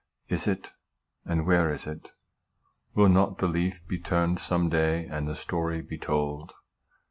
Is it? And where is it ? Will not the leaf be turned some day, and the story be told